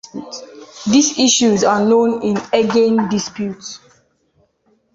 These issues are known as the Aegean dispute.